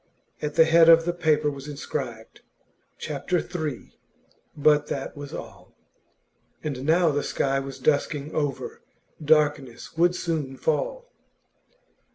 At the head of the paper was inscribed 'Chapter III.,' but that was all. And now the sky was dusking over; darkness would soon fall.